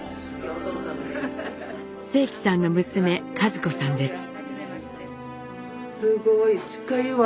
正祺さんの娘和子さんです。